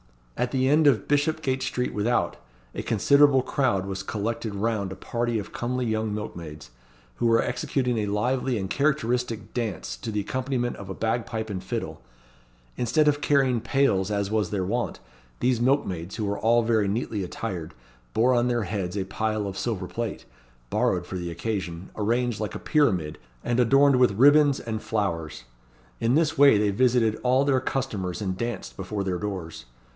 At the end of Bishopgate Street Without a considerable crowd was collected round a party of comely young milkmaids, who were executing a lively and characteristic dance to the accompaniment of a bagpipe and fiddle. Instead of carrying pails as was their wont, these milkmaids, who were all very neatly attired, bore on their heads a pile of silver plate, borrowed for the occasion, arranged like a pyramid, and adorned with ribands and flowers. In this way they visited all their customers and danced before their doors.